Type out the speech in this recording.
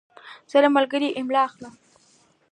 زه له ملګري املا اخلم.